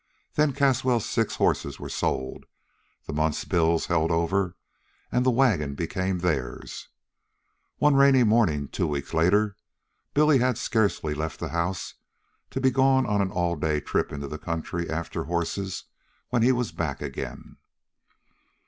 Then Caswell's six horses were sold, the month's bills held over, and the wagon became theirs. One rainy morning, two weeks later, Billy had scarcely left the house, to be gone on an all day trip into the country after horses, when he was back again.